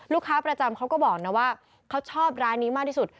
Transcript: ประจำเขาก็บอกนะว่าเขาชอบร้านนี้มากที่สุด